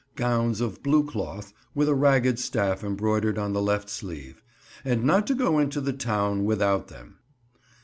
Gowns of blew cloth, with a Ragged Staff embroydered on the left sleeve) and not to go into the Town without them."